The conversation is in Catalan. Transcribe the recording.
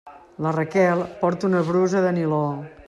La Raquel porta una brusa de niló.